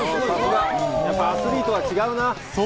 やっぱアスリートは違うな。